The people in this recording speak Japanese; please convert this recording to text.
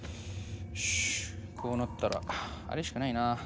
よしこうなったらあれしかないな。